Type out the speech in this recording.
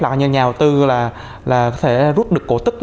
là nhà đầu tư là có thể rút được cổ tức